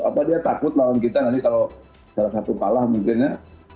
apa dia takut lawan kita nanti kalau salah satu kalah mungkin ya